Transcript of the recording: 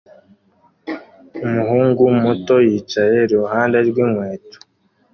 Umuhungu muto yicaye iruhande rw'inkweto